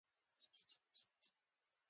زړه د وفادارۍ څرک دی.